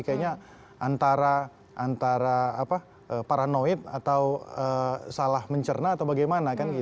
kayaknya antara paranoid atau salah mencerna atau bagaimana